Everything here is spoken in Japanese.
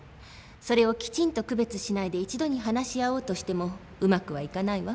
それをきちんと区別しないで一度に話し合おうとしてもうまくはいかないわ。